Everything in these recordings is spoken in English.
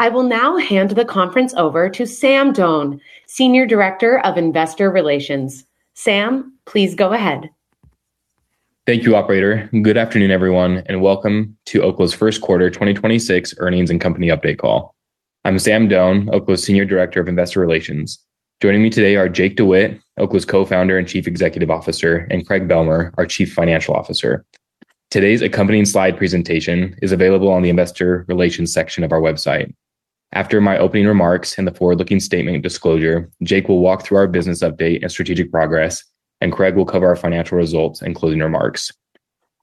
I will now hand the conference over to Sam Doane, Senior Director of Investor Relations. Sam, please go ahead. Thank you, operator. Good afternoon, everyone, and welcome to Oklo's first quarter 2026 earnings and company update call. I'm Sam Doane, Oklo's Senior Director of Investor Relations. Joining me today are Jake DeWitte, Oklo's Co-founder and Chief Executive Officer, and Craig Bealmear, our Chief Financial Officer. Today's accompanying slide presentation is available on the investor relations section of our website. After my opening remarks and the forward-looking statement disclosure, Jake will walk through our business update and strategic progress, and Craig will cover our financial results and closing remarks.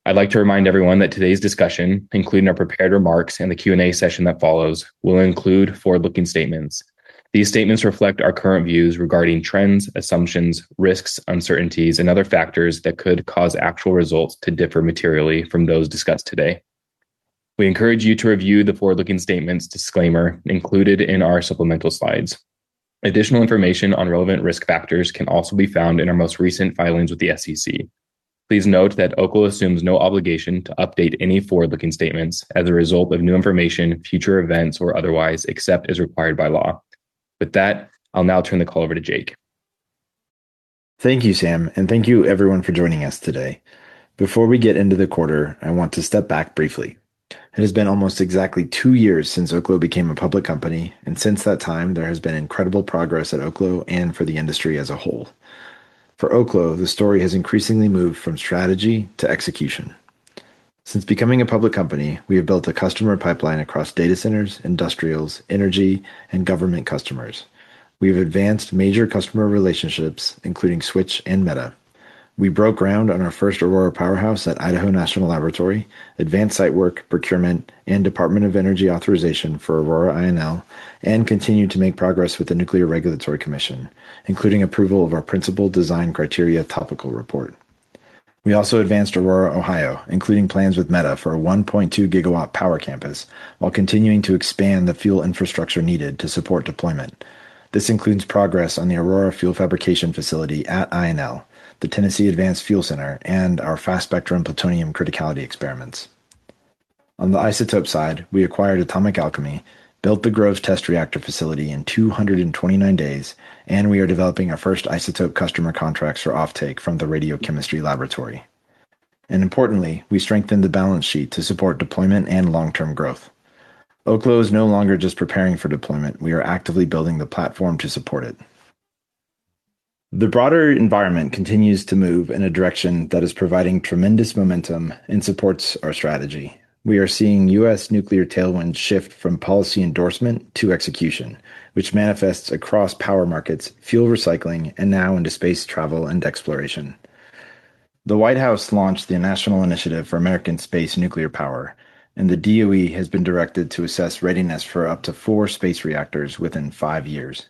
I'd like to remind everyone that today's discussion, including our prepared remarks and the Q&A session that follows, will include forward-looking statements. These statements reflect our current views regarding trends, assumptions, risks, uncertainties, and other factors that could cause actual results to differ materially from those discussed today. We encourage you to review the forward-looking statements disclaimer included in our supplemental slides. Additional information on relevant risk factors can also be found in our most recent filings with the SEC. Please note that Oklo assumes no obligation to update any forward-looking statements as a result of new information, future events, or otherwise, except as required by law. With that, I'll now turn the call over to Jake. Thank you, Sam, and thank you everyone for joining us today. Before we get into the quarter, I want to step back briefly. It has been almost exactly two years since Oklo became a public company, and since that time, there has been incredible progress at Oklo and for the industry as a whole. For Oklo, the story has increasingly moved from strategy to execution. Since becoming a public company, we have built a customer pipeline across data centers, industrials, energy, and government customers. We have advanced major customer relationships, including Switch and Meta. We broke ground on our first Aurora powerhouse at Idaho National Laboratory, advanced site work, procurement, and Department of Energy authorization for Aurora-INL, and continued to make progress with the Nuclear Regulatory Commission, including approval of our Principal Design Criteria Topical Report. We also advanced Aurora, Ohio, including plans with Meta for a 1.2-gigawatt power campus while continuing to expand the fuel infrastructure needed to support deployment. This includes progress on the Aurora Fuel Fabrication Facility at INL, the Tennessee Advanced Fuel Center, and our fast spectrum plutonium criticality experiments. On the isotope side, we acquired Atomic Alchemy, built the Groves Isotope Test Reactor facility in 229 days, we are developing our first isotope customer contracts for offtake from the Radiochemistry Laboratory. Importantly, we strengthened the balance sheet to support deployment and long-term growth. Oklo is no longer just preparing for deployment, we are actively building the platform to support it. The broader environment continues to move in a direction that is providing tremendous momentum and supports our strategy. We are seeing U.S. nuclear tailwinds shift from policy endorsement to execution, which manifests across power markets, fuel recycling, and now into space travel and exploration. The White House launched the National Initiative for American Space Nuclear Power, and the DOE has been directed to assess readiness for up to four space reactors within five years.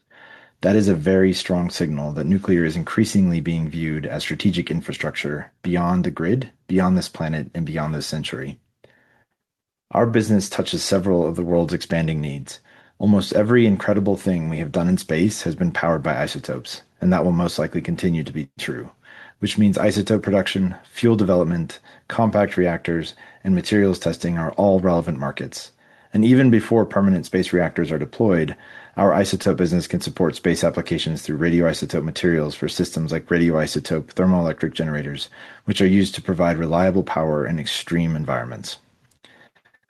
That is a very strong signal that nuclear is increasingly being viewed as strategic infrastructure beyond the grid, beyond this planet, and beyond this century. Our business touches several of the world's expanding needs. Almost every incredible thing we have done in space has been powered by isotopes, and that will most likely continue to be true, which means isotope production, fuel development, compact reactors, and materials testing are all relevant markets. Even before permanent space reactors are deployed, our isotope business can support space applications through radioisotope materials for systems like radioisotope thermoelectric generators, which are used to provide reliable power in extreme environments.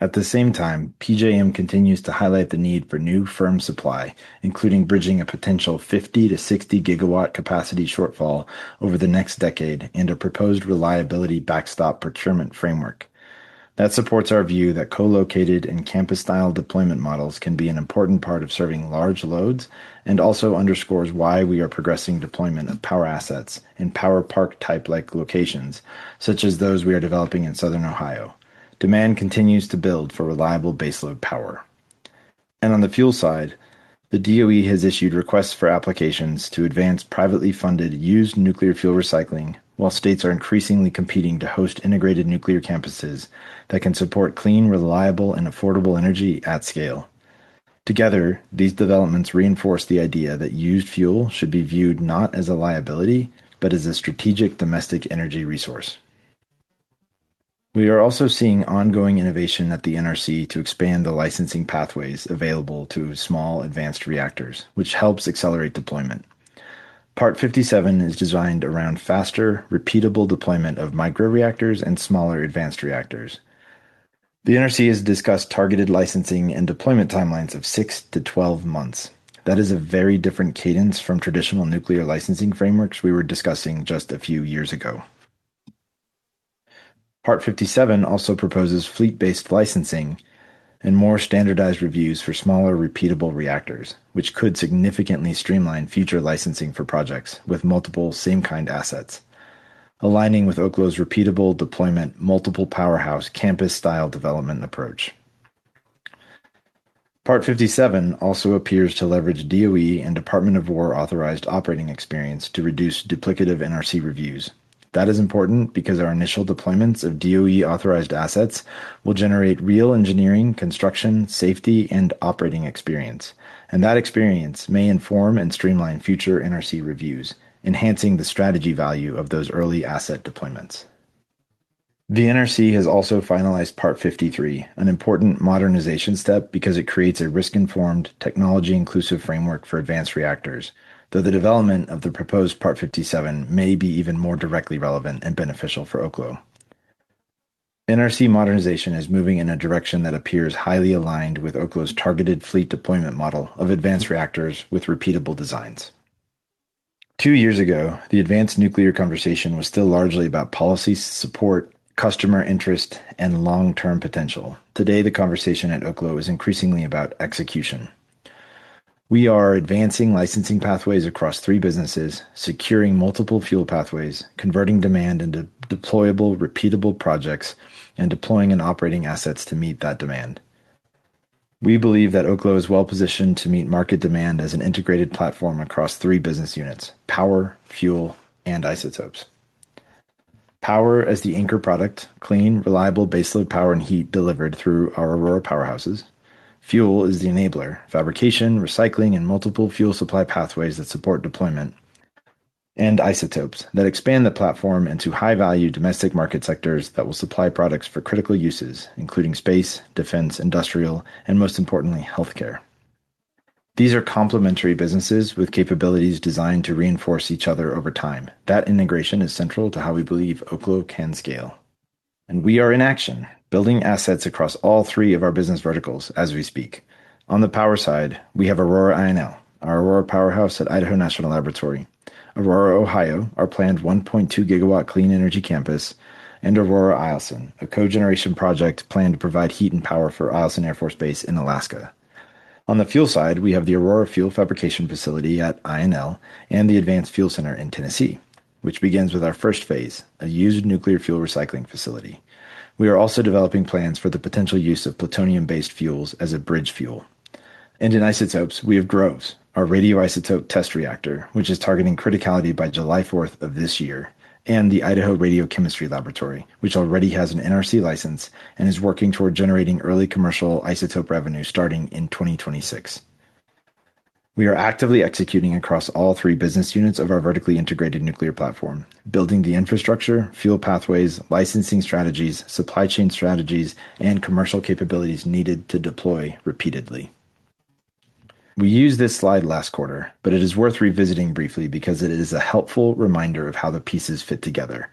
At the same time, PJM continues to highlight the need for new firm supply, including bridging a potential 50-60 gigawatt capacity shortfall over the next decade and a proposed reliability backstop procurement framework. That supports our view that co-located and campus-style deployment models can be an important part of serving large loads and also underscores why we are progressing deployment of power assets in power park type-like locations, such as those we are developing in southern Ohio. Demand continues to build for reliable baseload power. On the fuel side, the DOE has issued requests for applications to advance privately funded used nuclear fuel recycling, while states are increasingly competing to host integrated nuclear campuses that can support clean, reliable, and affordable energy at scale. Together, these developments reinforce the idea that used fuel should be viewed not as a liability, but as a strategic domestic energy resource. We are also seeing ongoing innovation at the NRC to expand the licensing pathways available to small advanced reactors, which helps accelerate deployment. Part 57 is designed around faster, repeatable deployment of microreactors and smaller advanced reactors. The NRC has discussed targeted licensing and deployment timelines of six-12 months. That is a very different cadence from traditional nuclear licensing frameworks we were discussing just a few years ago. Part 57 also proposes fleet-based licensing and more standardized reviews for smaller, repeatable reactors, which could significantly streamline future licensing for projects with multiple same-kind assets, aligning with Oklo's repeatable deployment, multiple powerhouse, campus-style development approach. Part 57 also appears to leverage DOE and U.S. Department of War-authorized operating experience to reduce duplicative NRC reviews. That is important because our initial deployments of DOE-authorized assets will generate real engineering, construction, safety, and operating experience. That experience may inform and streamline future NRC reviews, enhancing the strategy value of those early asset deployments. The NRC has also finalized Part 53, an important modernization step because it creates a risk-informed, technology-inclusive framework for advanced reactors, though the development of the proposed Part 57 may be even more directly relevant and beneficial for Oklo. NRC modernization is moving in a direction that appears highly aligned with Oklo's targeted fleet deployment model of advanced reactors with repeatable designs. Two years ago, the advanced nuclear conversation was still largely about policy support, customer interest, and long-term potential. Today, the conversation at Oklo is increasingly about execution. We are advancing licensing pathways across three businesses, securing multiple fuel pathways, converting demand into deployable, repeatable projects, and deploying and operating assets to meet that demand. We believe that Oklo is well-positioned to meet market demand as an integrated platform across three business units: power, fuel, and isotopes. Power as the anchor product, clean, reliable baseload power and heat delivered through our Aurora powerhouses. Fuel is the enabler, fabrication, recycling, and multiple fuel supply pathways that support deployment. Isotopes that expand the platform into high-value domestic market sectors that will supply products for critical uses, including space, defense, industrial, and most importantly, healthcare. These are complementary businesses with capabilities designed to reinforce each other over time. That integration is central to how we believe Oklo can scale. We are in action, building assets across all three of our business verticals as we speak. On the power side, we have Aurora INL, our Aurora powerhouse at Idaho National Laboratory. Aurora, Ohio, our planned 1.2 gigawatt clean energy campus. Aurora Eielson, a cogeneration project planned to provide heat and power for Eielson Air Force Base in Alaska. On the fuel side, we have the Aurora Fuel Fabrication Facility at INL and the Advanced Fuel Center in Tennessee, which begins with our first phase, a used nuclear fuel recycling facility. We are also developing plans for the potential use of plutonium-based fuels as a bridge fuel. In isotopes, we have Groves, our radioisotope test reactor, which is targeting criticality by July fourth of this year, and the Idaho Radiochemistry Laboratory, which already has an NRC license and is working toward generating early commercial isotope revenue starting in 2026. We are actively executing across all three business units of our vertically integrated nuclear platform, building the infrastructure, fuel pathways, licensing strategies, supply chain strategies, and commercial capabilities needed to deploy repeatedly. We used this slide last quarter, it is worth revisiting briefly because it is a helpful reminder of how the pieces fit together.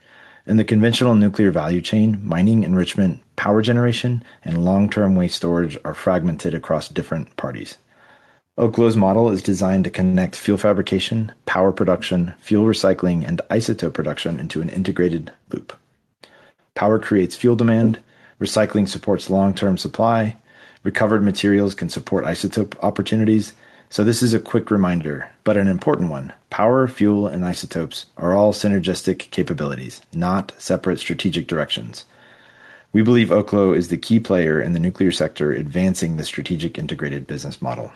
In the conventional nuclear value chain, mining, enrichment, power generation, and long-term waste storage are fragmented across different parties. Oklo's model is designed to connect fuel fabrication, power production, fuel recycling, and isotope production into an integrated loop. Power creates fuel demand. Recycling supports long-term supply. Recovered materials can support isotope opportunities. This is a quick reminder, but an important one. Power, fuel, and isotopes are all synergistic capabilities, not separate strategic directions. We believe Oklo is the key player in the nuclear sector advancing the strategic integrated business model.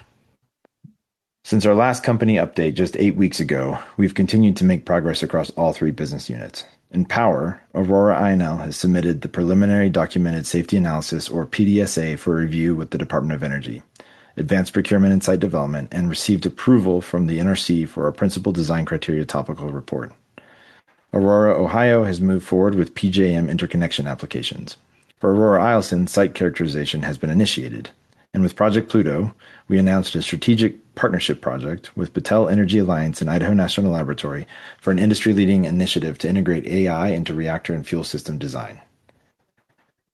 Since our last company update just 8 weeks ago, we've continued to make progress across all three business units. In power, Aurora INL has submitted the Preliminary Documented Safety Analysis, or PDSA, for review with the Department of Energy, advanced procurement and site development, and received approval from the NRC for our Principal Design Criteria Topical Report. Aurora Ohio has moved forward with PJM Interconnection applications. For Aurora Eielson, site characterization has been initiated. With Project Pluto, we announced a strategic partnership project with Battelle Energy Alliance and Idaho National Laboratory for an industry-leading initiative to integrate AI into reactor and fuel system design.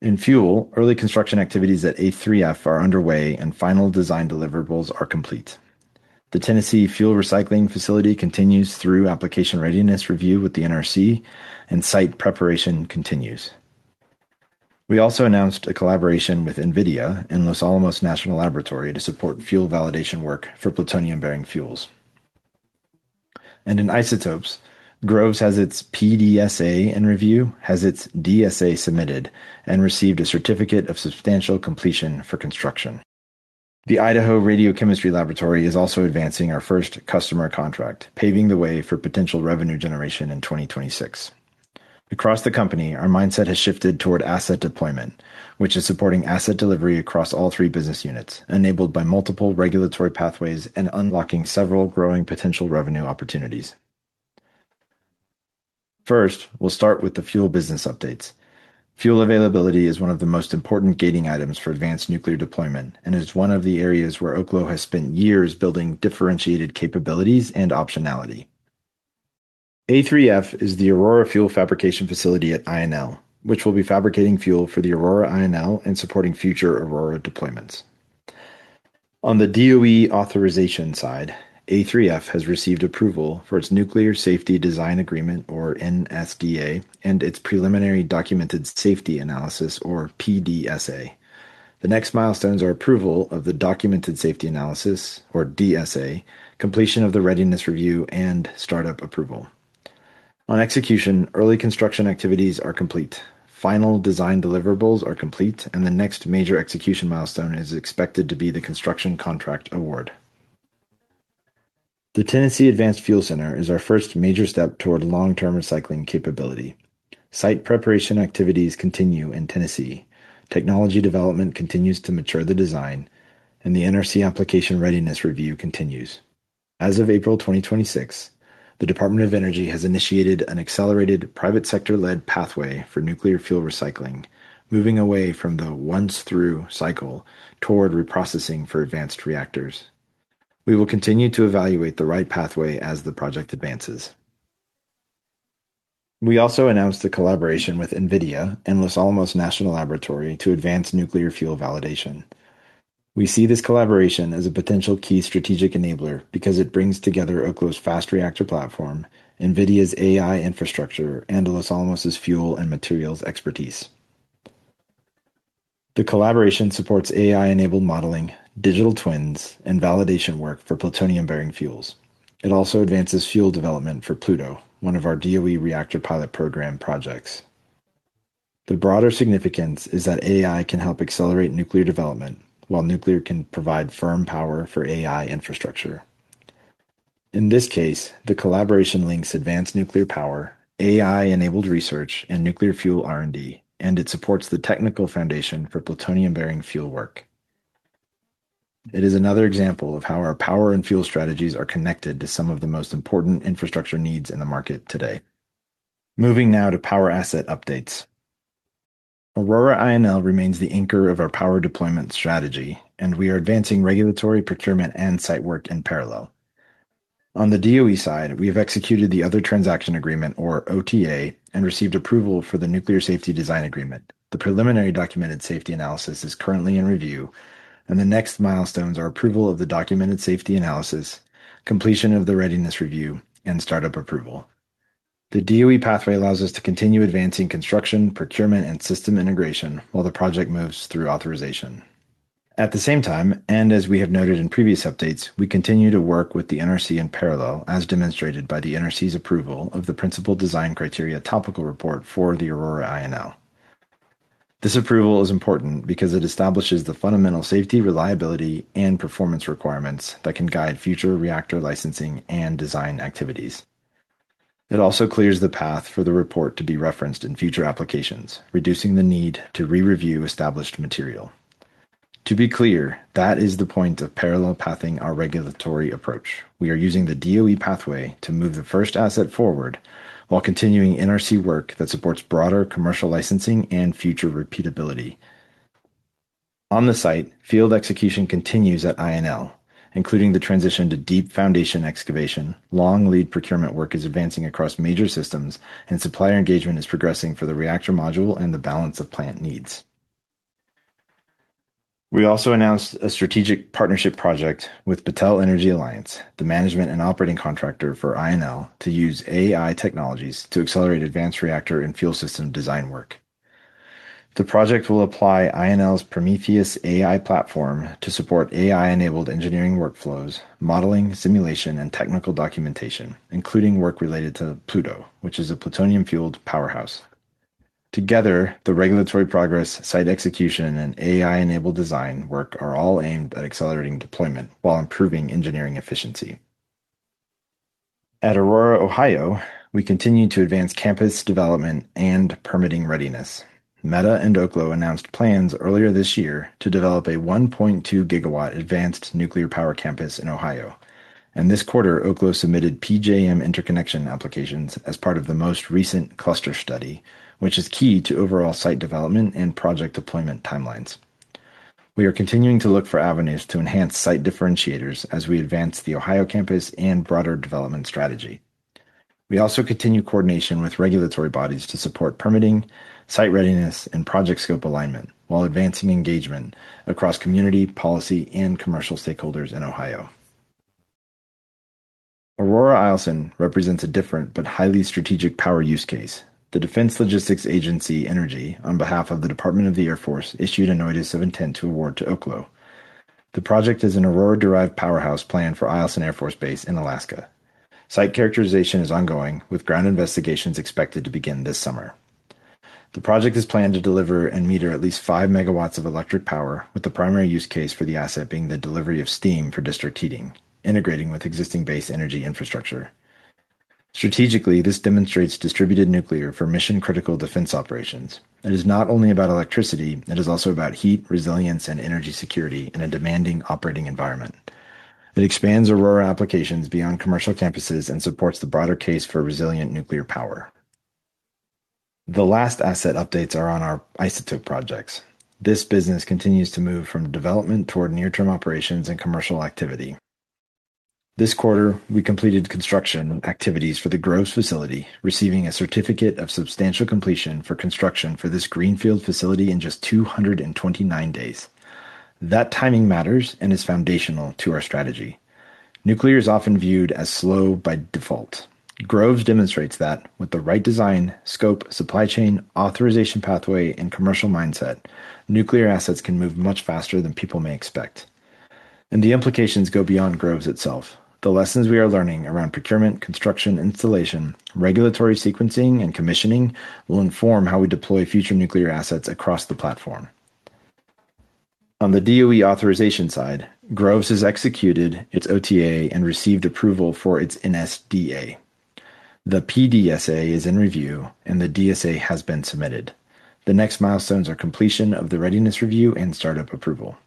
In fuel, early construction activities at A3F are underway and final design deliverables are complete. The Tennessee fuel recycling facility continues through application readiness review with the NRC and site preparation continues. We also announced a collaboration with NVIDIA and Los Alamos National Laboratory to support fuel validation work for plutonium-bearing fuels. In isotopes, Groves has its PDSA in review, has its DSA submitted, and received a certificate of substantial completion for construction. The Idaho Radiochemistry Laboratory is also advancing our first customer contract, paving the way for potential revenue generation in 2026. Across the company, our mindset has shifted toward asset deployment, which is supporting asset delivery across all three business units, enabled by multiple regulatory pathways and unlocking several growing potential revenue opportunities. First, we'll start with the fuel business updates. Fuel availability is one of the most important gating items for advanced nuclear deployment and is one of the areas where Oklo has spent years building differentiated capabilities and optionality. A3F is the Aurora Fuel Fabrication Facility at INL, which will be fabricating fuel for the Aurora-INL and supporting future Aurora deployments. On the DOE authorization side, A3F has received approval for its Nuclear Safety Design Agreement, or NSDA, and its Preliminary Documented Safety Analysis, or PDSA. The next milestones are approval of the Documented Safety Analysis, or DSA, completion of the readiness review, and startup approval. On execution, early construction activities are complete. Final design deliverables are complete, and the next major execution milestone is expected to be the construction contract award. The Tennessee Advanced Fuel Center is our first major step toward long-term recycling capability. Site preparation activities continue in Tennessee. Technology development continues to mature the design, and the NRC application readiness review continues. As of April 2026, the Department of Energy has initiated an accelerated private sector-led pathway for nuclear fuel recycling, moving away from the once-through cycle toward reprocessing for advanced reactors. We will continue to evaluate the right pathway as the project advances. We also announced a collaboration with NVIDIA and Los Alamos National Laboratory to advance nuclear fuel validation. We see this collaboration as a potential key strategic enabler because it brings together Oklo's fast reactor platform, NVIDIA's AI infrastructure, and Los Alamos's fuel and materials expertise. The collaboration supports AI-enabled modeling, digital twins, and validation work for plutonium-bearing fuels. It also advances fuel development for Pluto, one of our DOE Reactor Pilot Program projects. The broader significance is that AI can help accelerate nuclear development, while nuclear can provide firm power for AI infrastructure. In this case, the collaboration links advanced nuclear power, AI-enabled research, and nuclear fuel R&D, and it supports the technical foundation for plutonium-bearing fuel work. It is another example of how our power and fuel strategies are connected to some of the most important infrastructure needs in the market today. Moving now to power asset updates. Aurora-INL remains the anchor of our power deployment strategy, and we are advancing regulatory procurement and site work in parallel. On the DOE side, we have executed the Other Transaction Agreement, or OTA, and received approval for the Nuclear Safety Design Agreement. The Preliminary Documented Safety Analysis is currently in review, and the next milestones are approval of the Documented Safety Analysis, completion of the readiness review, and startup approval. The DOE pathway allows us to continue advancing construction, procurement, and system integration while the project moves through authorization. At the same time, and as we have noted in previous updates, we continue to work with the NRC in parallel, as demonstrated by the NRC's approval of the Principal Design Criteria Topical Report for the Aurora-INL. This approval is important because it establishes the fundamental safety, reliability, and performance requirements that can guide future reactor licensing and design activities. It also clears the path for the report to be referenced in future applications, reducing the need to re-review established material. To be clear, that is the point of parallel pathing our regulatory approach. We are using the DOE pathway to move the first asset forward while continuing NRC work that supports broader commercial licensing and future repeatability. On the site, field execution continues at INL, including the transition to deep foundation excavation. Long lead procurement work is advancing across major systems, and supplier engagement is progressing for the reactor module and the balance of plant needs. We also announced a strategic partnership project with Battelle Energy Alliance, the management and operating contractor for INL, to use AI technologies to accelerate advanced reactor and fuel system design work. The project will apply INL's Prometheus AI platform to support AI-enabled engineering workflows, modeling, simulation, and technical documentation, including work related to Pluto, which is a plutonium-fueled powerhouse. Together, the regulatory progress, site execution, and AI-enabled design work are all aimed at accelerating deployment while improving engineering efficiency. At Aurora, Ohio, we continue to advance campus development and permitting readiness. Meta and Oklo announced plans earlier this year to develop a 1.2 gigawatt advanced nuclear power campus in Ohio. This quarter, Oklo submitted PJM interconnection applications as part of the most recent cluster study, which is key to overall site development and project deployment timelines. We are continuing to look for avenues to enhance site differentiators as we advance the Ohio campus and broader development strategy. We also continue coordination with regulatory bodies to support permitting, site readiness, and project scope alignment while advancing engagement across community, policy, and commercial stakeholders in Ohio. Aurora Eielson represents a different but highly strategic power use case. The Defense Logistics Agency Energy, on behalf of the Department of the Air Force, issued a Notice of Intent to award to Oklo. The project is an Aurora-derived powerhouse planned for Eielson Air Force Base in Alaska. Site characterization is ongoing, with ground investigations expected to begin this summer. The project is planned to deliver and meter at least 5 MW of electric power, with the primary use case for the asset being the delivery of steam for district heating, integrating with existing base energy infrastructure. Strategically, this demonstrates distributed nuclear for mission-critical defense operations. It is not only about electricity, it is also about heat, resilience, and energy security in a demanding operating environment. It expands Aurora applications beyond commercial campuses and supports the broader case for resilient nuclear power. The last asset updates are on our isotope projects. This business continues to move from development toward near-term operations and commercial activity. This quarter, we completed construction activities for the Groves facility, receiving a certificate of substantial completion for construction for this greenfield facility in just 229 days. That timing matters and is foundational to our strategy. Nuclear is often viewed as slow by default. Groves demonstrates that with the right design, scope, supply chain, authorization pathway, and commercial mindset, nuclear assets can move much faster than people may expect. The implications go beyond Groves itself. The lessons we are learning around procurement, construction, installation, regulatory sequencing, and commissioning will inform how we deploy future nuclear assets across the platform. On the DOE authorization side, Groves has executed its OTA and received approval for its NSDA. The PDSA is in review, and the DSA has been submitted. The next milestones are completion of the readiness review and startup approval.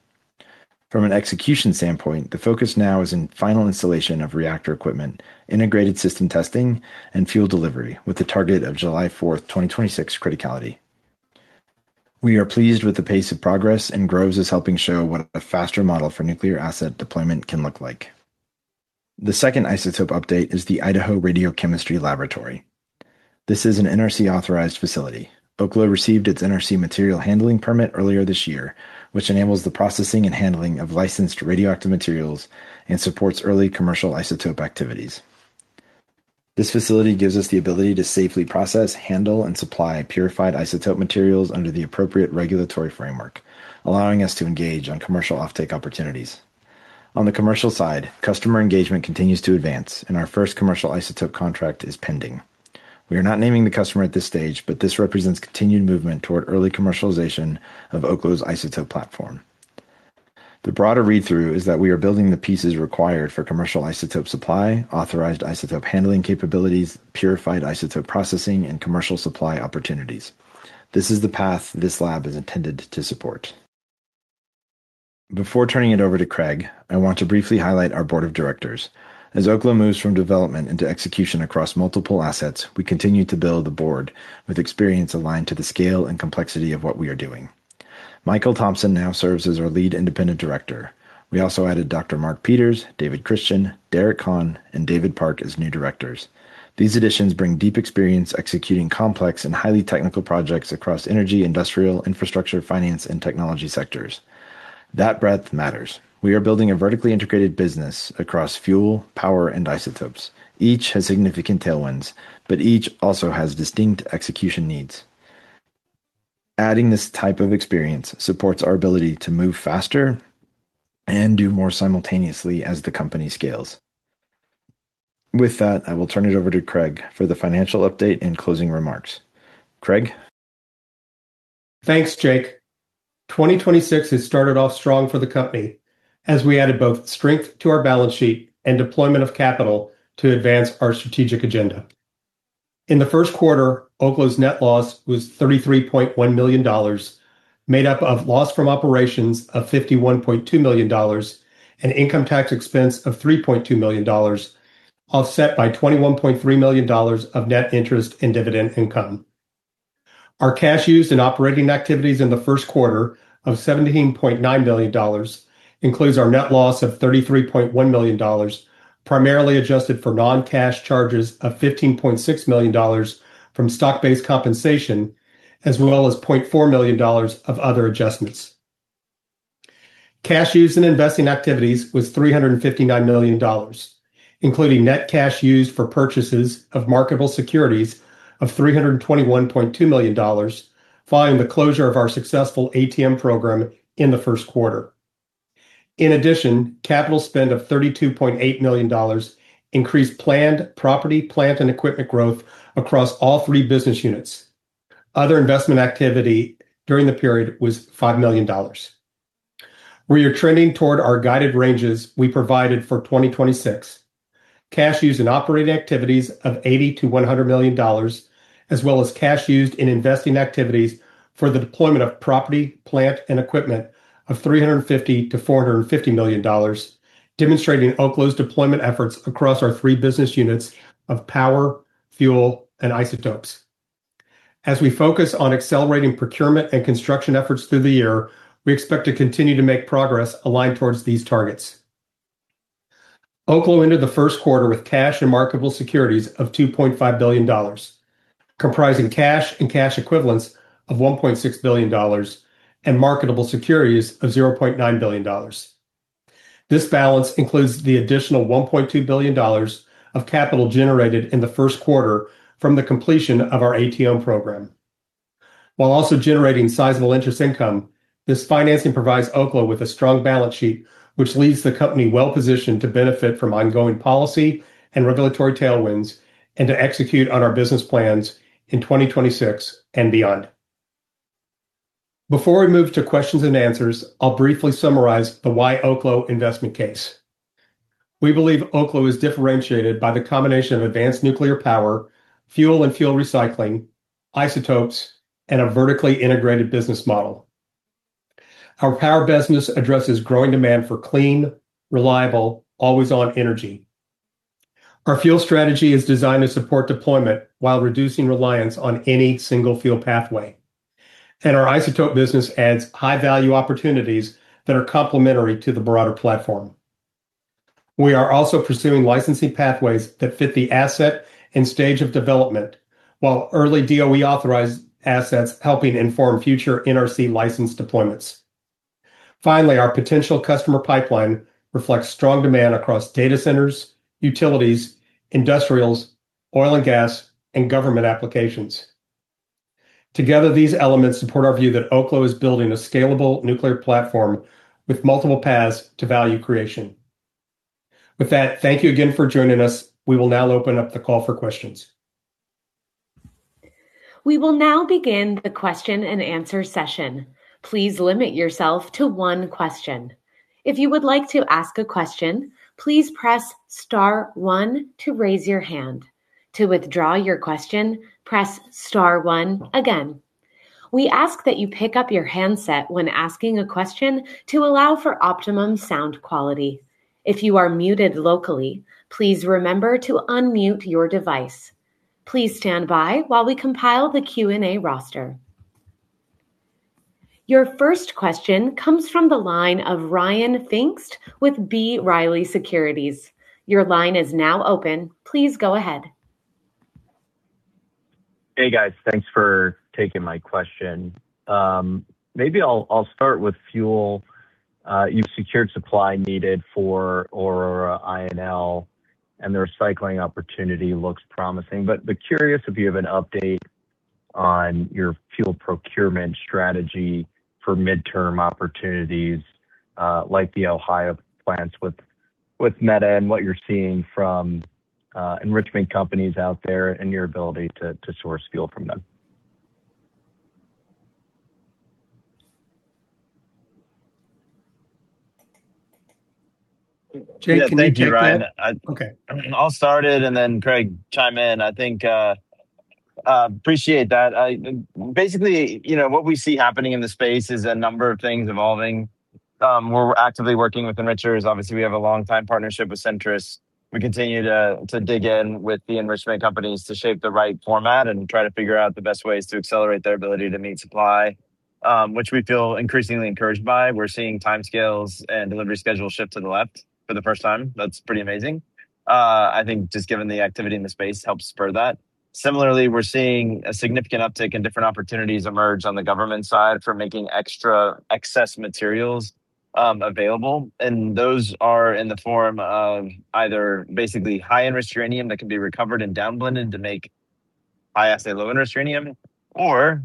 From an execution standpoint, the focus now is in final installation of reactor equipment, integrated system testing, and fuel delivery with the target of July 4, 2026 criticality. We are pleased with the pace of progress. Groves is helping show what a faster model for nuclear asset deployment can look like. The second isotope update is the Idaho Radiochemistry Laboratory. This is an NRC-authorized facility. Oklo received its NRC Material Handling Permit earlier this year, which enables the processing and handling of licensed radioactive materials and supports early commercial isotope activities. This facility gives us the ability to safely process, handle, and supply purified isotope materials under the appropriate regulatory framework, allowing us to engage on commercial offtake opportunities. On the commercial side, customer engagement continues to advance, and our first commercial isotope contract is pending. We are not naming the customer at this stage. This represents continued movement toward early commercialization of Oklo's isotope platform. The broader read-through is that we are building the pieces required for commercial isotope supply, authorized isotope handling capabilities, purified isotope processing, and commercial supply opportunities. This is the path this lab is intended to support. Before turning it over to Craig, I want to briefly highlight our board of directors. As Oklo moves from development into execution across multiple assets, we continue to build the board with experience aligned to the scale and complexity of what we are doing. Michael Thompson now serves as our lead independent director. We also added Dr. Mark Peters, David Christian, Derek Kan, and David Park as new directors. These additions bring deep experience executing complex and highly technical projects across energy, industrial, infrastructure, finance, and technology sectors. That breadth matters. We are building a vertically integrated business across fuel, power, and isotopes. Each has significant tailwinds, but each also has distinct execution needs. Adding this type of experience supports our ability to move faster and do more simultaneously as the company scales. With that, I will turn it over to Craig for the financial update and closing remarks. Craig? Thanks, Jake. 2026 has started off strong for the company as we added both strength to our balance sheet and deployment of capital to advance our strategic agenda. In the first quarter, Oklo's net loss was $33.1 million, made up of loss from operations of $51.2 million and income tax expense of $3.2 million, offset by $21.3 million of net interest and dividend income. Our cash used in operating activities in the first quarter of $17.9 million includes our net loss of $33.1 million, primarily adjusted for non-cash charges of $15.6 million from stock-based compensation, as well as $0.4 million of other adjustments. Cash used in investing activities was $359 million, including net cash used for purchases of marketable securities of $321.2 million following the closure of our successful ATM program in the first quarter. In addition, capital spend of $32.8 million increased planned property, plant, and equipment growth across all three business units. Other investment activity during the period was $5 million. We are trending toward our guided ranges we provided for 2026. Cash used in operating activities of $80 million-$100 million, as well as cash used in investing activities for the deployment of property, plant, and equipment of $350 million-$450 million, demonstrating Oklo's deployment efforts across our three business units of power, fuel, and isotopes. As we focus on accelerating procurement and construction efforts through the year, we expect to continue to make progress aligned towards these targets. Oklo ended the first quarter with cash and marketable securities of $2.5 billion, comprising cash and cash equivalents of $1.6 billion and marketable securities of $0.9 billion. This balance includes the additional $1.2 billion of capital generated in the first quarter from the completion of our ATM program. While also generating sizable interest income, this financing provides Oklo with a strong balance sheet, which leaves the company well-positioned to benefit from ongoing policy and regulatory tailwinds and to execute on our business plans in 2026 and beyond. Before we move to questions and answers, I'll briefly summarize the Why Oklo investment case. We believe Oklo is differentiated by the combination of advanced nuclear power, fuel and fuel recycling, isotopes, and a vertically integrated business model. Our power business addresses growing demand for clean, reliable, always-on energy. Our fuel strategy is designed to support deployment while reducing reliance on any single fuel pathway. Our isotope business adds high-value opportunities that are complementary to the broader platform. We are also pursuing licensing pathways that fit the asset and stage of development, while early DOE-authorized assets helping inform future NRC license deployments. Finally, our potential customer pipeline reflects strong demand across data centers, utilities, industrials, oil and gas, and government applications. Together, these elements support our view that Oklo is building a scalable nuclear platform with multiple paths to value creation. With that, thank you again for joining us. We will now open up the call for questions We will now begin the question and answer session. Please limit yourself to one question. If you would like to ask a question, please press star 1 to raise your hand. To withdraw your question, press star 1 again. We ask that you pick up your handset when asking a question to allow for optimum sound quality. If you are muted locally, please remember to unmute your device. Please stand by while we compile the Q&A roster. Your first question comes from the line of Ryan Pfingst with B. Riley Securities. Your line is now open. Please go ahead. Hey, guys. Thanks for taking my question. Maybe I'll start with fuel. You've secured supply needed for Aurora-INL, and the recycling opportunity looks promising. Be curious if you have an update on your fuel procurement strategy for midterm opportunities, like the Ohio plants with Meta and what you're seeing from enrichment companies out there and your ability to source fuel from them. Jake, can you take that? Yeah. Thank you, Ryan. Okay. I'll start it, then Craig, chime in. I think, appreciate that. Basically, you know, what we see happening in the space is a number of things evolving. We're actively working with enrichers. Obviously, we have a longtime partnership with Centrus. We continue to dig in with the enrichment companies to shape the right format and try to figure out the best ways to accelerate their ability to meet supply, which we feel increasingly encouraged by. We're seeing timescales and delivery schedules shift to the left for the first time. That's pretty amazing. I think just given the activity in the space helps spur that. Similarly, we're seeing a significant uptick in different opportunities emerge on the government side for making extra excess materials available, and those are in the form of either basically high-end enriched uranium that can be recovered and down-blended to make high assay, low enriched uranium or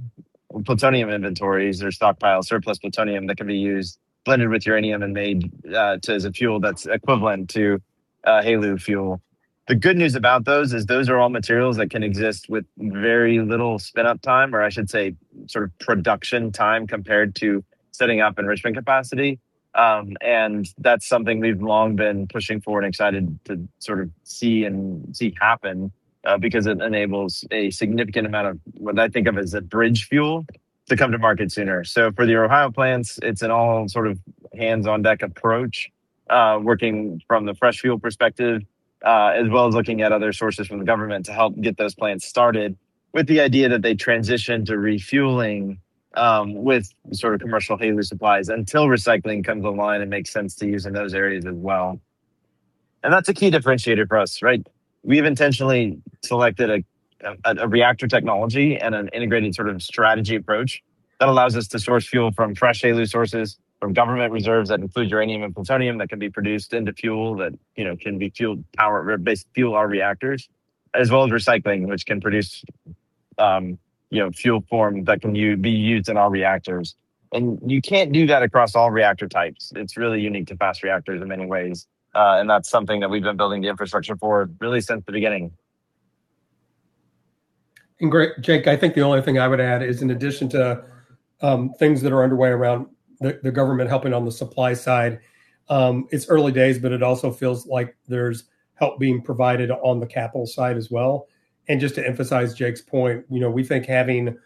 plutonium inventories or stockpile surplus plutonium that can be used, blended with uranium and made, as a fuel that's equivalent to HALEU fuel. The good news about those is those are all materials that can exist with very little spin-up time, or I should say sort of production time compared to setting up enrichment capacity. That's something we've long been pushing for and excited to sort of see and see happen because it enables a significant amount of what I think of as a bridge fuel to come to market sooner. For the Ohio plants, it's an all sort of hands-on deck approach, working from the fresh fuel perspective, as well as looking at other sources from the government to help get those plants started with the idea that they transition to refueling, with sort of commercial HALEU supplies until recycling comes online and makes sense to use in those areas as well. That's a key differentiator for us, right? We've intentionally selected a reactor technology and an integrated sort of strategy approach that allows us to source fuel from fresh HALEU sources, from government reserves that include uranium and plutonium that can be produced into fuel that, you know, can be fueled fuel our reactors, as well as recycling, which can produce, you know, fuel form that can be used in our reactors. You can't do that across all reactor types. It's really unique to fast reactors in many ways, and that's something that we've been building the infrastructure for really since the beginning. Great. Jake, I think the only thing I would add is in addition to things that are underway around the government helping on the supply side, it's early days, but it also feels like there's help being provided on the capital side as well. Just to emphasize Jake's point, you know, we think having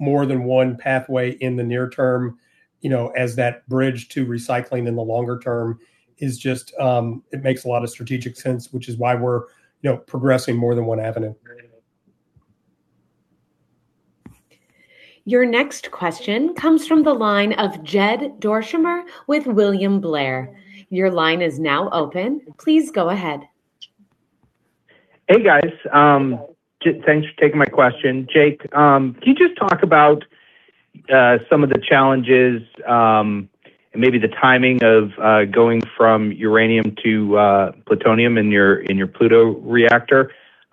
more than one pathway in the near term, you know, as that bridge to recycling in the longer term is just, it makes a lot of strategic sense, which is why we're, you know, progressing more than one avenue. Your next question comes from the line of Jed Dorsheimer with William Blair. Your line is now open. Please go ahead. Hey, guys. Thanks for taking my question. Jake, can you just talk about some of the challenges and maybe the timing of going from uranium to plutonium in your Pluto reactor?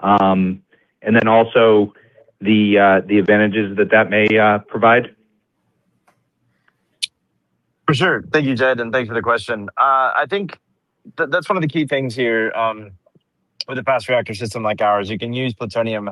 Then also the advantages that may provide? For sure. Thank you, Jed, and thanks for the question. I think that's one of the key things here with a fast reactor system like ours. You can use plutonium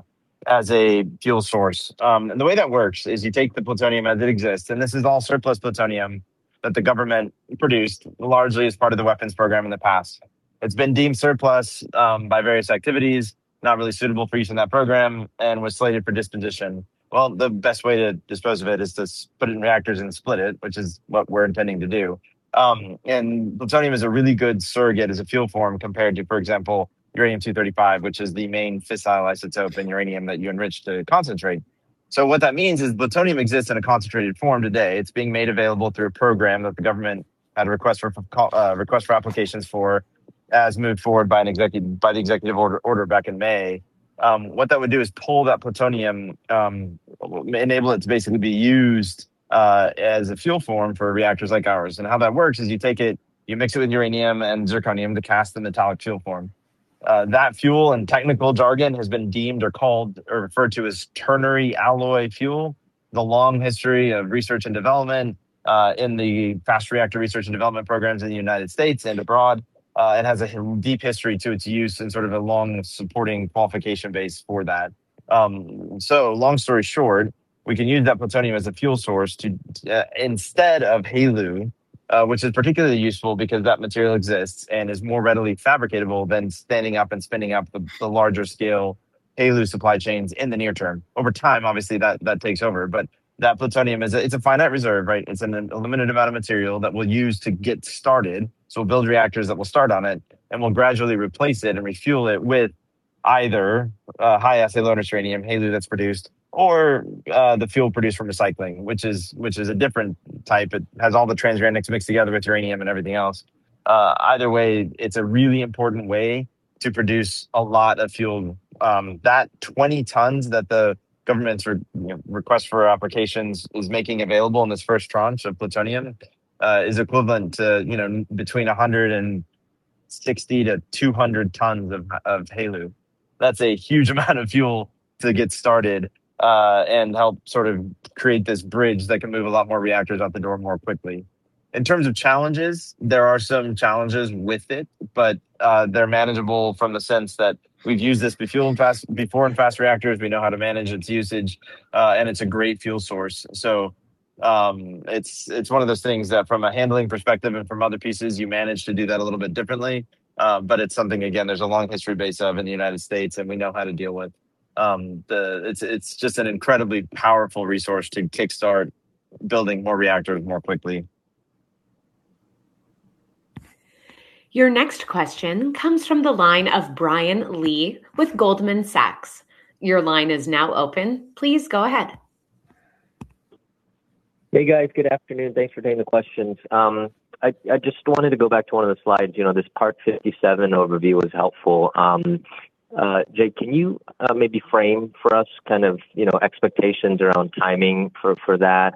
as a fuel source. The way that works is you take the plutonium as it exists, and this is all surplus plutonium that the government produced largely as part of the weapons program in the past. It's been deemed surplus by various activities, not really suitable for use in that program, and was slated for disposition. Well, the best way to dispose of it is to put it in reactors and split it, which is what we're intending to do. Plutonium is a really good surrogate as a fuel form compared to, for example, uranium-235, which is the main fissile isotope in uranium that you enrich to concentrate. What that means is plutonium exists in a concentrated form today. It's being made available through a program that the government had a request for applications for as moved forward by an executive order back in May. What that would do is pull that plutonium, enable it to basically be used as a fuel form for reactors like ours. How that works is you take it, you mix it with uranium and zirconium to cast the metallic fuel form. That fuel and technical jargon has been deemed or called or referred to as ternary alloy fuel. The long history of research and development in the fast reactor research and development programs in the U.S. and abroad, it has a deep history to its use and sort of a long supporting qualification base for that. Long story short, we can use that plutonium as a fuel source to instead of HALEU, which is particularly useful because that material exists and is more readily fabricatable than standing up and spinning up the larger scale HALEU supply chains in the near term. Over time, obviously that takes over, but that plutonium is a finite reserve, right? It's a limited amount of material that we'll use to get started. We'll build reactors that will start on it, and we'll gradually replace it and refuel it with either a high assay, low enrichment uranium, HALEU that's produced, or the fuel produced from recycling, which is a different type. It has all the transuranics mixed together with uranium and everything else. Either way, it's a really important way to produce a lot of fuel. That 20 tons that the government's you know, request for applications is making available in this first tranche of plutonium is equivalent to, you know, between 160 to 200 tons of HALEU. That's a huge amount of fuel to get started, and help sort of create this bridge that can move a lot more reactors out the door more quickly. In terms of challenges, there are some challenges with it, but they're manageable from the sense that we've used this fuel before in fast reactors. We know how to manage its usage, and it's a great fuel source. It's, it's one of those things that from a handling perspective and from other pieces, you manage to do that a little bit differently. But it's something, again, there's a long history base of in the United States, and we know how to deal with. It's, it's just an incredibly powerful resource to kickstart building more reactors more quickly. Your next question comes from the line of Brian Lee with Goldman Sachs. Your line is now open. Please go ahead. Hey, guys. Good afternoon. Thanks for taking the questions. I just wanted to go back to one of the slides. You know, this Part 57 overview was helpful. Jake, can you maybe frame for us kind of, you know, expectations around timing for that?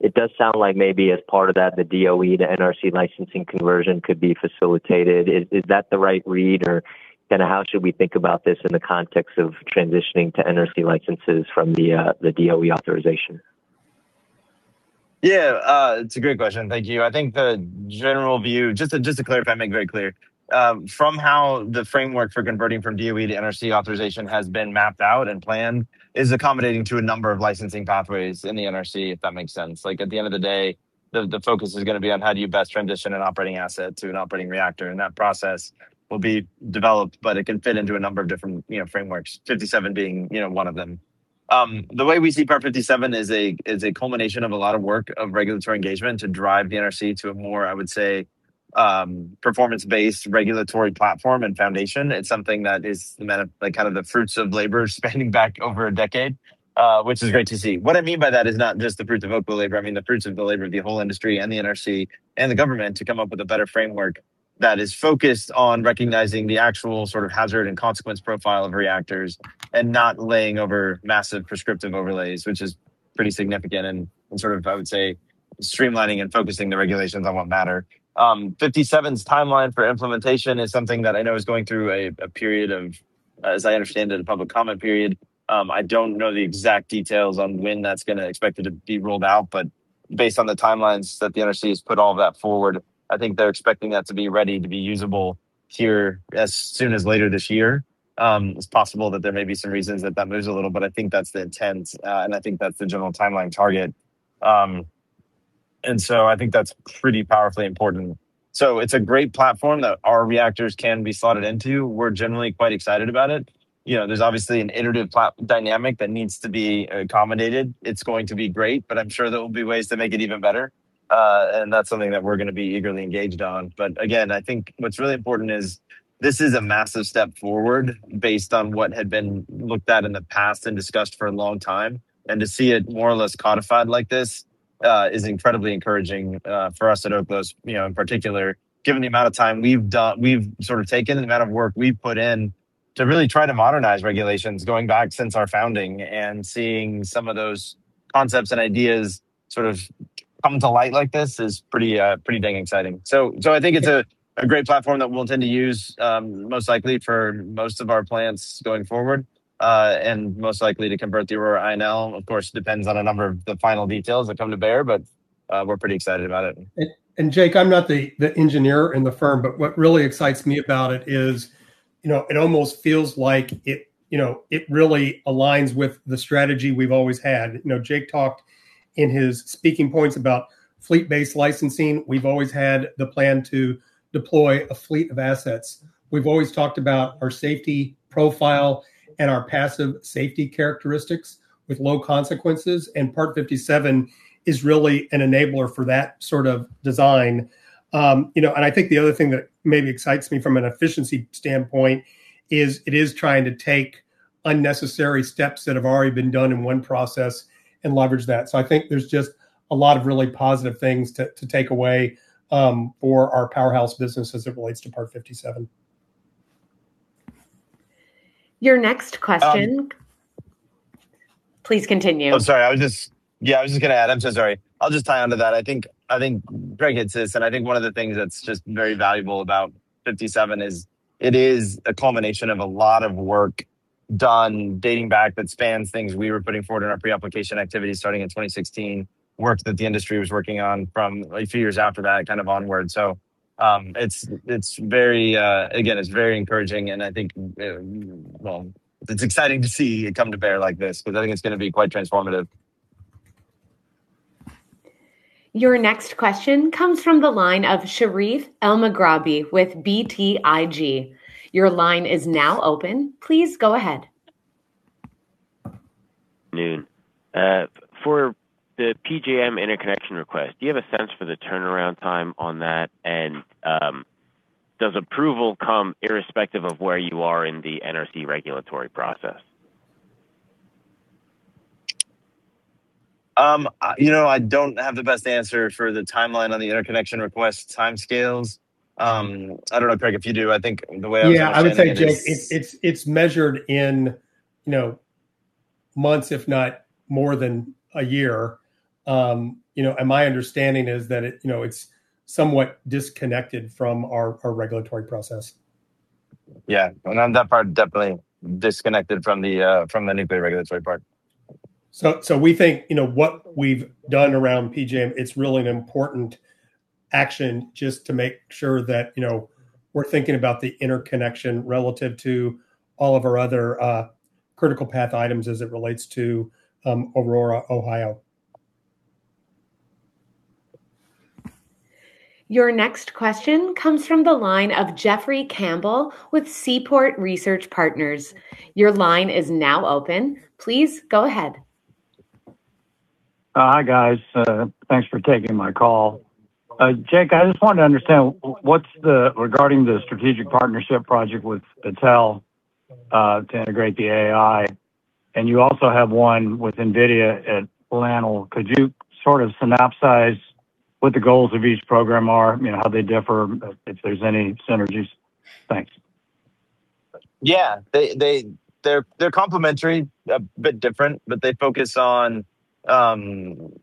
It does sound like maybe as part of that, the DOE, the NRC licensing conversion could be facilitated. Is that the right read, or kind of how should we think about this in the context of transitioning to NRC licenses from the DOE authorization? Yeah, it's a great question. Thank you. I think the general view, just to clarify, make very clear, from how the framework for converting from DOE to NRC authorization has been mapped out and planned is accommodating to a number of licensing pathways in the NRC, if that makes sense. Like, at the end of the day, the focus is gonna be on how do you best transition an operating asset to an operating reactor, and that process will be developed, but it can fit into a number of different, you know, frameworks, 57 being, you know, one of them. The way we see Part 57 is a culmination of a lot of work of regulatory engagement to drive the NRC to a more, I would say, performance-based regulatory platform and foundation. It's something that is like, kind of the fruits of labor spanning back over a decade, which is great to see. What I mean by that is not just the fruits of Oklo labor, I mean the fruits of the labor of the whole industry and the NRC and the government to come up with a better framework that is focused on recognizing the actual sort of hazard and consequence profile of reactors and not laying over massive prescriptive overlays, which is pretty significant and sort of, I would say, streamlining and focusing the regulations on what matter. Part 57's timeline for implementation is something that I know is going through a period of, as I understand it, a public comment period. I don't know the exact details on when that's gonna expected to be rolled out, but based on the timelines that the NRC has put all that forward, I think they're expecting that to be ready to be usable here as soon as later this year. It's possible that there may be some reasons that that moves a little, but I think that's the intent, and I think that's the general timeline target. I think that's pretty powerfully important. It's a great platform that our reactors can be slotted into. We're generally quite excited about it. You know, there's obviously an iterative dynamic that needs to be accommodated. It's going to be great, but I'm sure there will be ways to make it even better, and that's something that we're gonna be eagerly engaged on. Again, I think what's really important is this is a massive step forward based on what had been looked at in the past and discussed for a long time. To see it more or less codified like this is incredibly encouraging for us at Oklo, you know, in particular, given the amount of time we've sort of taken, the amount of work we've put in to really try to modernize regulations going back since our founding and seeing some of those concepts and ideas sort of come to light like this is pretty dang exciting. I think it's a great platform that we'll tend to use most likely for most of our plants going forward and most likely to convert the Aurora-INL. Of course, depends on a number of the final details that come to bear, but we're pretty excited about it. Jake, I'm not the engineer in the firm, but what really excites me about it is, you know, it almost feels like it, you know, it really aligns with the strategy we've always had. You know, Jake talked in his speaking points about fleet-based licensing. We've always had the plan to deploy a fleet of assets. We've always talked about our safety profile and our passive safety characteristics with low consequences, and Part 57 is really an enabler for that sort of design. You know, I think the other thing that maybe excites me from an efficiency standpoint is it is trying to take unnecessary steps that have already been done in one process and leverage that. I think there's just a lot of really positive things to take away for our powerhouse business as it relates to Part 57. Your next question. Um- Please continue. I'm sorry. Yeah, I was just going to add. I'm so sorry. I'll just tie onto that. I think Greg hits this, and I think one of the things that's just very valuable about Part 57 is it is a culmination of a lot of work done dating back that spans things we were putting forward in our pre-application activities starting in 2016, work that the industry was working on from a few years after that kind of onward. It's very, again, it's very encouraging, and I think, well, it's exciting to see it come to bear like this because I think it's going to be quite transformative. Your next question comes from the line of Sherif Elmaghrabi with BTIG. Your line is now open. Please go ahead. Noon. For the PJM Interconnection request, do you have a sense for the turnaround time on that? Does approval come irrespective of where you are in the NRC regulatory process? You know, I don't have the best answer for the timeline on the interconnection request timescales. I don't know, Craig, if you do. I think the way I would understand it is. Yeah, I would say, Jake, it's measured in, you know, months if not more than a year. My understanding is that it, you know, it's somewhat disconnected from our regulatory process. Yeah. On that part, definitely disconnected from the nuclear regulatory part. We think, you know, what we've done around PJM, it's really an important action just to make sure that, you know, we're thinking about the interconnection relative to all of our other critical path items as it relates to Aurora, Ohio. Your next question comes from the line of Jeffrey Campbell with Seaport Research Partners. Your line is now open. Please go ahead. Hi, guys. Thanks for taking my call. Jake, I just wanted to understand regarding the strategic partnership project with Battelle to integrate the AI, and you also have one with NVIDIA at LANL. Could you sort of synopsize what the goals of each program are? You know, how they differ, if there's any synergies? Thanks. Yeah. They're complementary, a bit different, but they focus on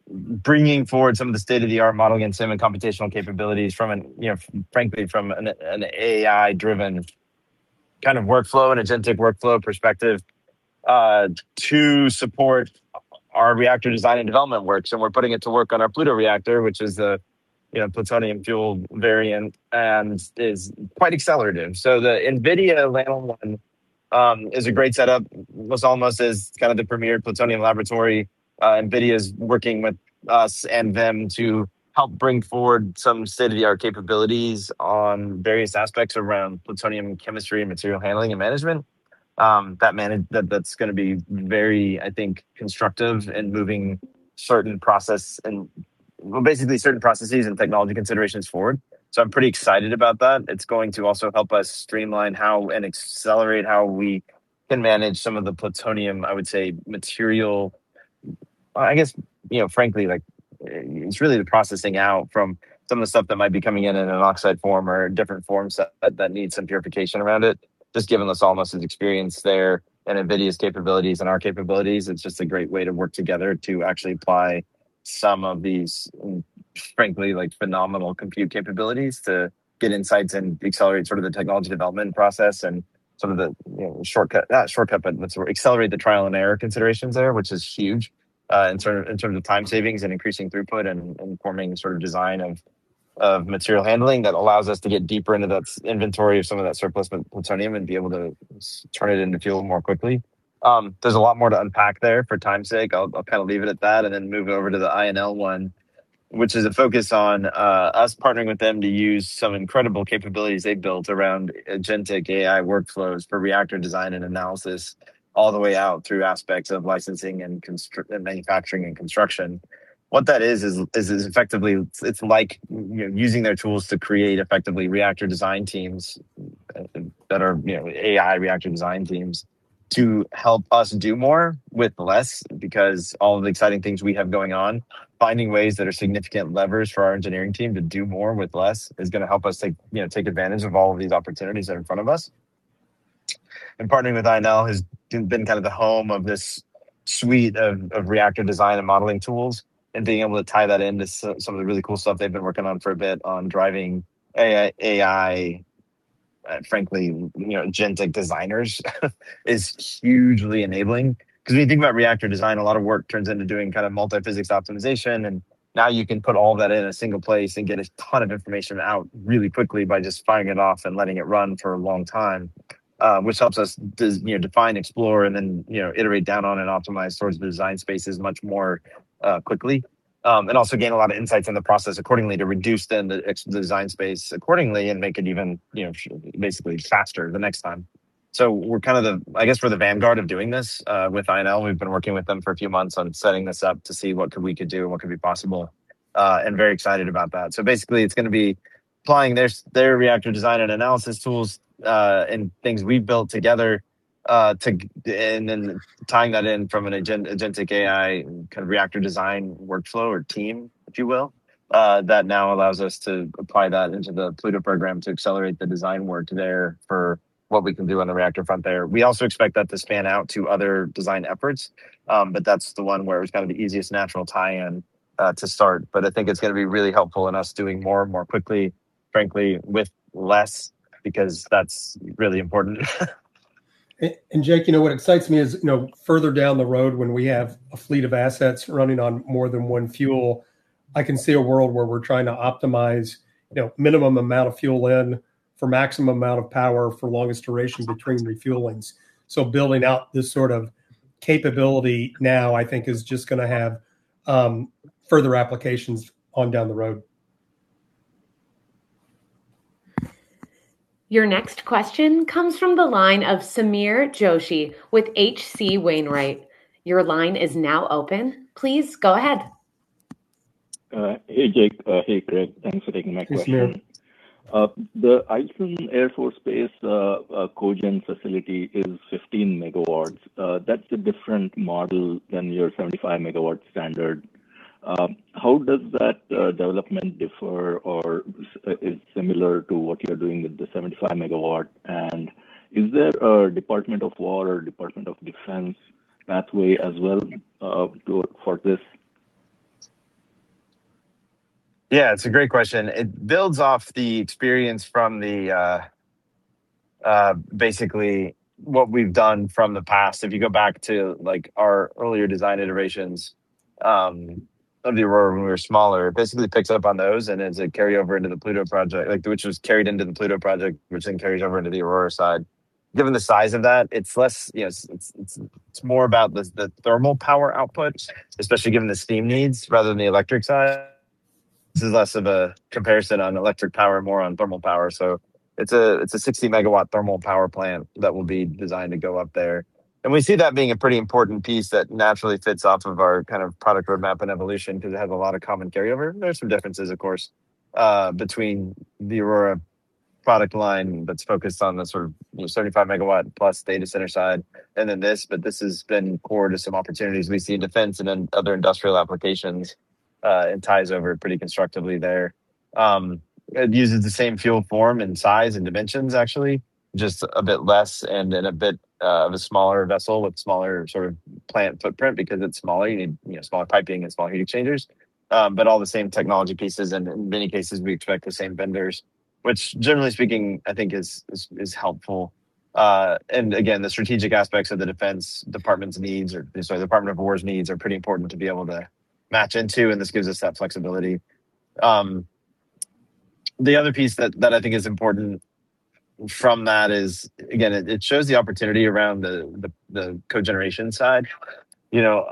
bringing forward some of the state-of-the-art modelling and sim and computational capabilities from an, you know, frankly, from an AI-driven kind of workflow and agentic workflow perspective, to support our reactor design and development works. We're putting it to work on our Pluto reactor, which is a, you know, plutonium fuel variant and is quite accelerative. The NVIDIA LANL one is a great setup. Los Alamos is kind of the premier plutonium laboratory. NVIDIA's working with us and them to help bring forward some state-of-the-art capabilities on various aspects around plutonium chemistry and material handling and management, that's gonna be very, I think, constructive in moving certain process and basically certain processes and technology considerations forward. I'm pretty excited about that. It's going to also help us streamline how and accelerate how we can manage some of the plutonium, I would say, material. I guess, you know, frankly, like, it's really the processing out from some of the stuff that might be coming in in an oxide form or different forms that needs some purification around it. Just given Los Alamos's experience there and NVIDIA's capabilities and our capabilities, it's just a great way to work together to actually apply some of these, frankly, like, phenomenal compute capabilities to get insights and accelerate sort of the technology development process. Not shortcut, but let's accelerate the trial and error considerations there, which is huge, in terms of time savings and increasing throughput and forming sort of design of material handling that allows us to get deeper into that inventory of some of that surplus plutonium and be able to turn it into fuel more quickly. There's a lot more to unpack there. For time's sake, I'll kinda leave it at that and then move over to the INL one, which is a focus on us partnering with them to use some incredible capabilities they built around agentic AI workflows for reactor design and analysis all the way out through aspects of licensing and manufacturing and construction. What that is effectively it's like, you know, using their tools to create effectively reactor design teams that are, you know, AI reactor design teams to help us do more with less because all of the exciting things we have going on, finding ways that are significant levers for our engineering team to do more with less is gonna help us take, you know, take advantage of all of these opportunities that are in front of us. Partnering with INL has been kind of the home of this suite of reactor design and modeling tools, and being able to tie that into some of the really cool stuff they've been working on for a bit on driving AI, frankly, you know, agentic designers is hugely enabling because when you think about reactor design, a lot of work turns into doing kind of multi-physics optimization, and now you can put all that in a single place and get a ton of information out really quickly by just firing it off and letting it run for a long time, which helps us, you know, define, explore, and then, you know, iterate down on and optimize sorts of design spaces much more quickly. And also gain a lot of insights in the process accordingly to reduce the design space accordingly and make it even, you know, basically faster the next time. We're kind of the, I guess, we're the vanguard of doing this with INL. We've been working with them for a few months on setting this up to see what could we could do and what could be possible, and very excited about that. Basically, it's gonna be applying their reactor design and analysis tools, and things we've built together, and then tying that in from an agentic AI kind of reactor design workflow or team, if you will, that now allows us to apply that into the Pluto program to accelerate the design work there for what we can do on the reactor front there. We also expect that to span out to other design efforts, that's the one where it's kind of the easiest natural tie-in to start. I think it's gonna be really helpful in us doing more and more quickly. Frankly, with less because that's really important. Jake, you know, what excites me is, you know, further down the road when we have a fleet of assets running on more than one fuel, I can see a world where we're trying to optimize, you know, minimum amount of fuel in for maximum amount of power, for longest duration between refuelings. Building out this sort of capability now, I think is just gonna have further applications on down the road. Your next question comes from the line of Sameer Joshi with H.C. Wainwright. Your line is now open, please go ahead. Hey, Jake. Hey, Craig. Thanks for taking my question. Yes, Sameer. The Eielson Air Force Base cogen facility is 15 MW. That's a different model than your 75 MW standard. How does that development differ or is similar to what you're doing with the 75 MW? Is there a U.S. Department of War or U.S. Department of Defense pathway as well to for this? It's a great question. It builds off the experience from the basically what we've done from the past. If you go back to, like, our earlier design iterations of the Aurora when we were smaller, it basically picks up on those and is a carryover into the Pluto Project. Which was carried into the Pluto Project, which then carries over into the Aurora side. Given the size of that, it's less, you know, it's more about the thermal power output, especially given the steam needs rather than the electric side. This is less of a comparison on electric power and more on thermal power. It's a 60 MW thermal power plant that will be designed to go up there. We see that being a pretty important piece that naturally fits off of our kind of product roadmap and evolution 'cause it has a lot of common carryover. There are some differences of course, between the Aurora product line that's focused on the sort of, you know, 35 MW+ data center side and then this, but this has been core to some opportunities we see in Defense and then other industrial applications, and ties over pretty constructively there. It uses the same fuel form and size and dimensions actually, just a bit less and in a bit of a smaller vessel with smaller sort of plant footprint. Because it's smaller, you need, you know, smaller piping and small heat exchangers. All the same technology pieces and in many cases we expect the same vendors, which generally speaking I think is helpful. Again, the strategic aspects of the Defense Department's needs are, sorry, the U.S. Department of War's needs are pretty important to be able to match into, and this gives us that flexibility. The other piece that I think is important from that is, again, it shows the opportunity around the cogeneration side. You know,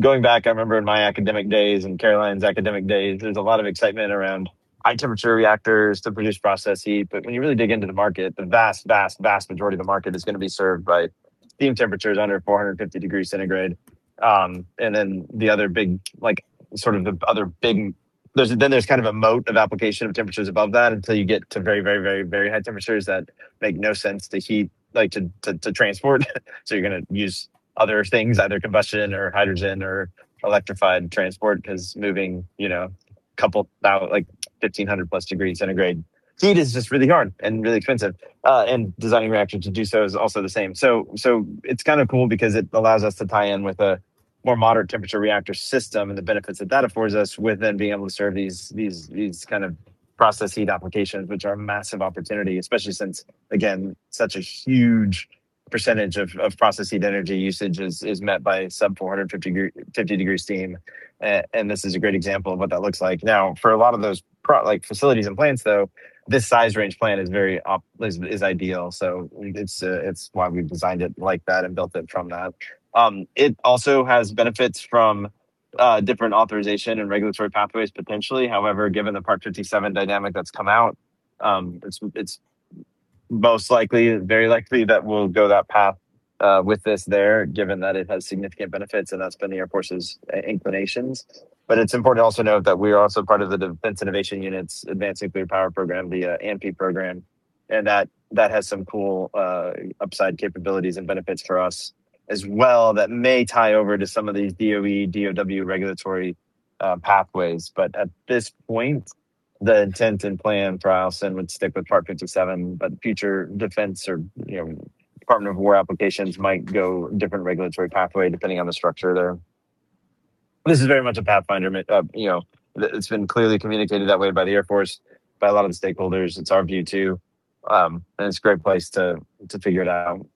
going back, I remember in my academic days and Caroline's academic days, there was a lot of excitement around high temperature reactors to produce process heat. When you really dig into the market, the vast majority of the market is gonna be served by steam temperatures under 450°C. Then the other big, like, sort of the other big, then there's kind of a moat of application of temperatures above that until you get to very, very, very, very high temperatures that make no sense to heat, like, to transport. You're gonna use other things, either combustion or hydrogen or electrified transport 'cause moving, you know, couple thousand, like, 1,500°C+ heat is just really hard and really expensive. Designing a reactor to do so is also the same. It's kind of cool because it allows us to tie in with a more moderate temperature reactor system and the benefits that affords us with then being able to serve these kind of process heat applications, which are a massive opportunity, especially since, again, such a huge percentage of process heat energy usage is met by sub-450 degree steam. This is a great example of what that looks like. For a lot of those like, facilities and plants though, this size range plant is very ideal. It's why we've designed it like that and built it from that. It also has benefits from different authorization and regulatory pathways potentially. Given the Part 57 dynamic that's come out, it's most likely, very likely that we'll go that path with this there, given that it has significant benefits, and that's been the Air Force's inclinations. It's important to also note that we are also part of the Defense Innovation Unit's Advanced Nuclear Power program, the ANP program, and that has some cool upside capabilities and benefits for us as well that may tie over to some of these DOE regulatory pathways. At this point, the intent and plan for Eielson would stick with Part 57, but future Defense or, you know, Department of War applications might go a different regulatory pathway depending on the structure there. This is very much a pathfinder, you know, it's been clearly communicated that way by the Air Force, by a lot of the stakeholders. It's our view too, and it's a great place to figure it out.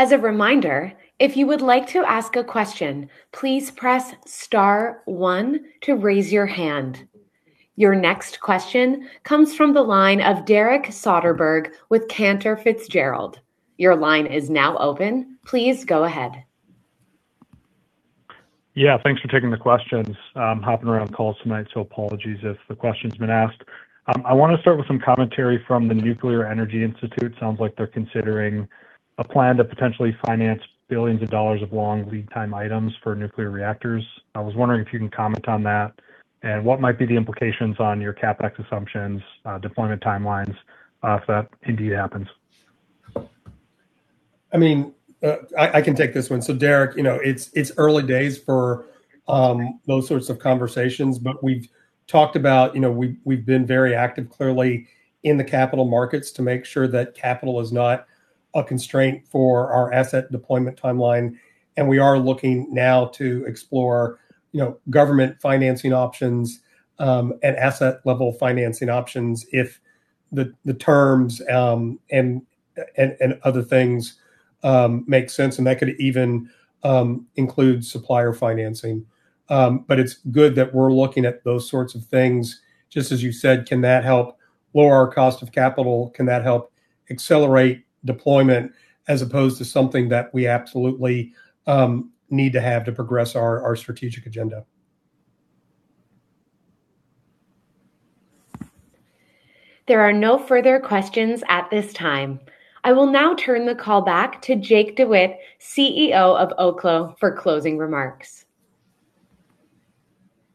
As a reminder, if you would like to ask a question, please press star 1 to raise your hand. Your next question comes from the line of Derek Soderberg with Cantor Fitzgerald. Your line is now open. Please go ahead. Thanks for taking the questions. I'm hopping around calls tonight, so apologies if the question's been asked. I want to start with some commentary from the Nuclear Energy Institute. Sounds like they're considering a plan to potentially finance billions dollars of long lead time items for nuclear reactors. I was wondering if you can comment on that and what might be the implications on your CapEx assumptions, deployment timelines, if that indeed happens. I mean, I can take this one. Derek, you know, it's early days for those sorts of conversations, but we've talked about, you know, we've been very active clearly in the capital markets to make sure that capital is not a constraint for our asset deployment timeline, and we are looking now to explore, you know, government financing options, and asset-level financing options if the terms, and other things, make sense. That could even include supplier financing. But it's good that we're looking at those sorts of things. Just as you said, can that help lower our cost of capital? Can that help accelerate deployment as opposed to something that we absolutely need to have to progress our strategic agenda? There are no further questions at this time. I will now turn the call back to Jake DeWitte, CEO of Oklo, for closing remarks.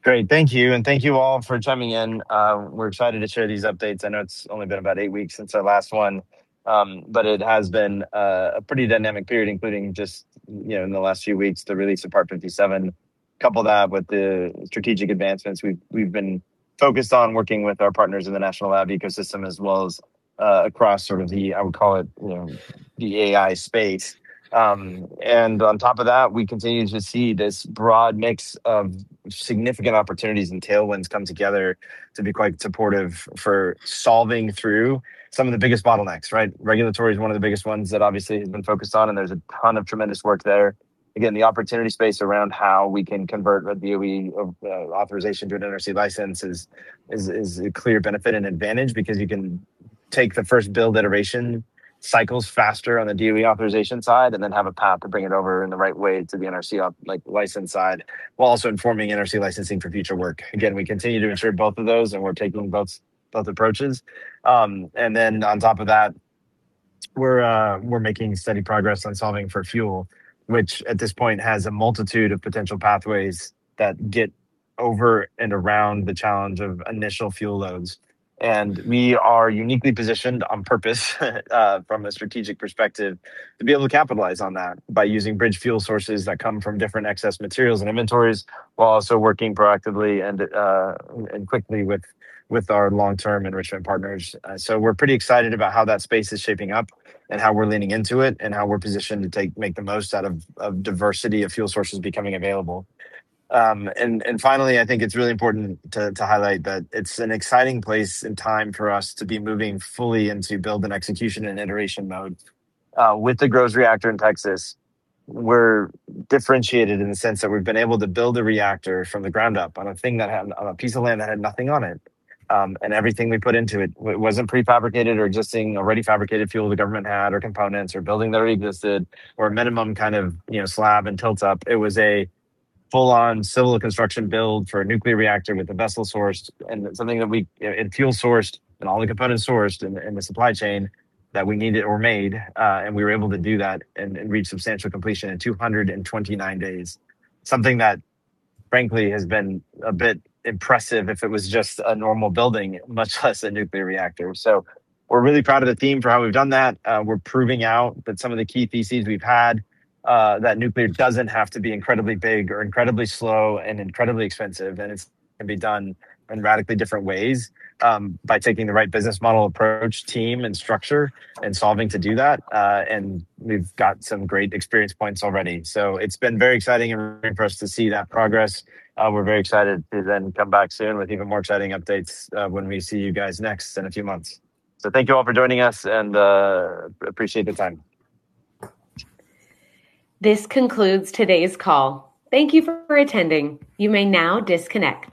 Great. Thank you, and thank you all for chiming in. We're excited to share these updates. I know it's only been about eight weeks since our last one, it has been a pretty dynamic period, including just, you know, in the last few weeks, the release of Part 57. Couple that with the strategic advancements, we've been focused on working with our partners in the national lab ecosystem as well as across sort of the, I would call it, you know, the AI space. On top of that, we continue to see this broad mix of significant opportunities and tailwinds come together to be quite supportive for solving through some of the biggest bottlenecks, right. Regulatory is one of the biggest ones that obviously has been focused on, and there's a ton of tremendous work there. The opportunity space around how we can convert a DOE authorization to an NRC license is a clear benefit and advantage because you can take the first build iteration cycles faster on the DOE authorization side and then have a path to bring it over in the right way to the NRC license side, while also informing NRC licensing for future work. We continue to ensure both of those, and we're taking both approaches. On top of that, we're making steady progress on solving for fuel, which at this point has a multitude of potential pathways that get over and around the challenge of initial fuel loads. We are uniquely positioned on purpose, from a strategic perspective to be able to capitalize on that by using bridge fuel sources that come from different excess materials and inventories, while also working proactively and quickly with our long-term enrichment partners. We're pretty excited about how that space is shaping up and how we're leaning into it and how we're positioned to make the most out of diversity of fuel sources becoming available. Finally, I think it's really important to highlight that it's an exciting place and time for us to be moving fully into build and execution and iteration mode. With the Groves reactor in Texas, we're differentiated in the sense that we've been able to build a reactor from the ground up on a piece of land that had nothing on it. Everything we put into it wasn't prefabricated or existing, already fabricated fuel the government had or components or building that already existed or a minimum kind of, you know, slab and tilt up. It was a full-on civil construction build for a nuclear reactor with the vessel sourced and something that we, you know, and fuel sourced and all the components sourced in the supply chain that we needed or made. We were able to do that and reach substantial completion in 229 days. Something that frankly has been a bit impressive if it was just a normal building, much less a nuclear reactor. We're really proud of the team for how we've done that. We're proving out that some of the key theses we've had, that nuclear doesn't have to be incredibly big or incredibly slow and incredibly expensive, and it can be done in radically different ways, by taking the right business model approach, team, and structure and solving to do that. We've got some great experience points already. It's been very exciting and rewarding for us to see that progress. We're very excited to then come back soon with even more exciting updates, when we see you guys next in a few months. Thank you all for joining us, and appreciate the time. This concludes today's call. Thank you for attending. You may now disconnect.